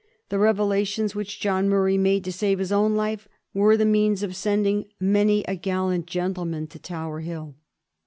The revelations which John Murray made to save his own life were the means of sending many a gallant gentleman to Tower Hill.